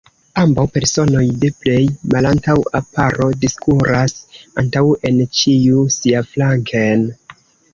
Ambaŭ personoj de plej malantaŭa paro diskuras antaŭen, ĉiu siaflanken.